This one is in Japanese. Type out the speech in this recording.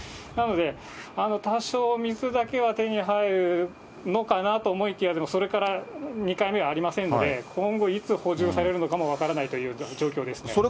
なので、多少、水だけは手に入るのかなと思いきや、でもそれから、２回目はありませんので、今後、いつ補充されるのかも分からないという状況ですね。